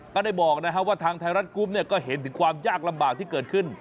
ก็ได้บอกนะครับว่าทางไทยรัฐกรุ๊ปก็เห็นถึงความยากลำบากที่เกิดขึ้น